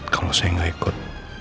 kalau saya gak ikut